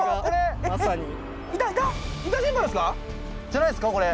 じゃないですかこれ！